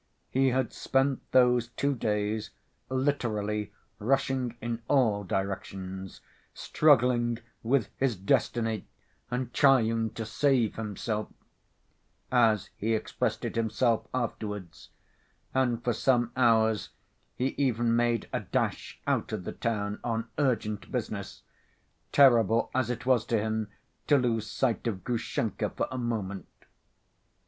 He had spent those two days literally rushing in all directions, "struggling with his destiny and trying to save himself," as he expressed it himself afterwards, and for some hours he even made a dash out of the town on urgent business, terrible as it was to him to lose sight of Grushenka for a moment.